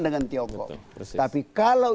dengan tiongkok tapi kalau